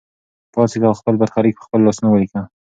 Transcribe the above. پاڅېږه او خپل برخلیک په خپلو لاسونو ولیکه.